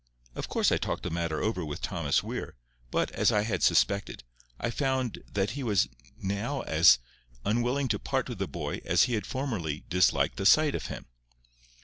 Of course I talked the matter over with Thomas Weir; but, as I had suspected, I found that he was now as unwilling to part with the boy as he had formerly disliked the sight of him.